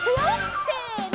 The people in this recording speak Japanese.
せの！